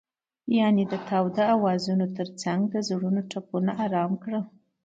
هغې د تاوده اوازونو ترڅنګ د زړونو ټپونه آرام کړل.